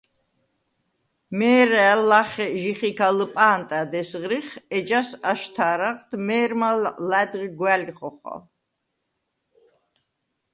მე̄რა̄̈ლ ლახე ჟიხიქა ლჷპა̄ნტად ესღრიხ, ეჯას აშთა̄რაღად მე̄რმა ლა̈დღი გვა̄̈ლი ხოხალ.